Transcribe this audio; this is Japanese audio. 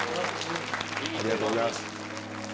ありがとうございます。